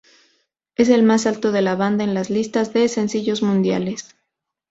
Es el más alto de la banda en las listas de sencillos mundiales.